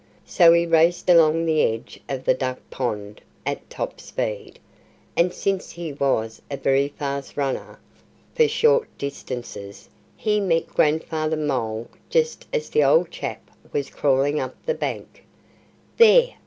So he raced along the edge of the duck pond at top speed. And since he was a very fast runner for short distances he met Grandfather Mole just as the old chap was crawling up the bank. "There!"